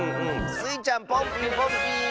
スイちゃんポンピンポンピーン！